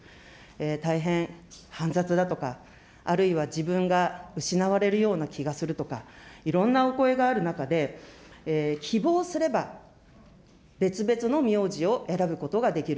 大変煩雑だとか、あるいは自分が失われるような気がするとか、いろんなお声がある中で、希望すれば別々の名字を選ぶことができる。